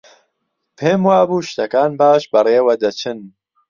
پێم وابوو شتەکان باش بەڕێوە دەچن.